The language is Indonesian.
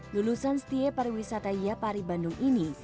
lulusan setia pariwisata yapari bandung ini